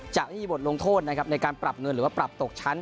จะไม่มีบทลงโทษนะครับในการปรับเงินหรือว่าปรับตกชั้น